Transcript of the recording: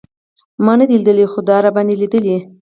ما نه دی لېدلی خو ده راباندې لېدلی.